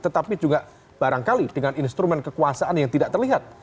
tetapi juga barangkali dengan instrumen kekuasaan yang tidak terlihat